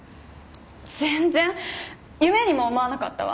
全然夢にも思わなかったわ。